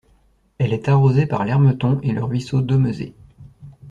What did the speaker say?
Elle est arrosée par l’Hermeton et le ruisseau d’Omezée.